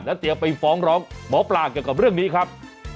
เตรียมไปฟ้องร้องหมอปลาเกี่ยวกับเรื่องนี้ครับ